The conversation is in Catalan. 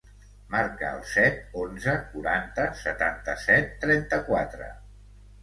Marca el set, onze, quaranta, setanta-set, trenta-quatre.